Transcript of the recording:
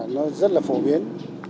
nó rất là phổ biến